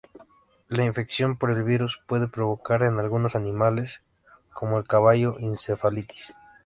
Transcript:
La infección por el virus puede provocar en algunos animales, como el caballo, encefalitis.